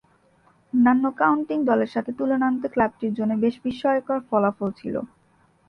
অন্যান্য কাউন্টি দলের সাথে তুলনান্তে ক্লাবটির জন্যে বেশ বিস্ময়কর ফলাফল ছিল।